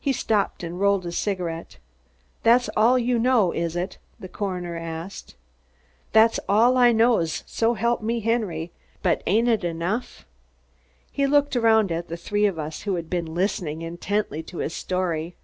He stopped and rolled a cigarette. "That's all you know, is it?" the coroner asked. "That's all I know, so help me Henry but ain't it enough?" He looked around at the three of us who had been listening intently to his story.